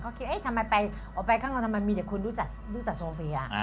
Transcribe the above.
ก็คิดเอ๊ะทำไมออกไปข้างนอกทำไมมีแต่คุณรู้จักโซเฟีย